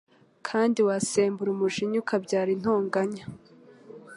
kandi wasembura umujinya ukabyara intonganya